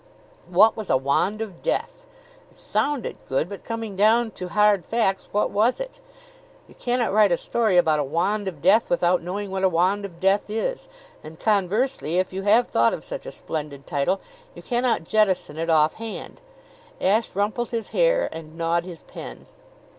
What was a wand of death? It sounded good; but, coming down to hard facts, what was it? You cannot write a story about a wand of death without knowing what a wand of death is; and, conversely, if you have thought of such a splendid title you cannot jettison it offhand. Ashe rumpled his hair and gnawed his pen.